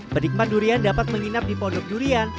penikmat durian dapat menginap di pondok durian